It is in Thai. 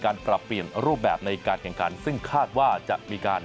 การปรับเปลี่ยนรูปแบบในการคันการซึ่งคาดว่าจะมีการ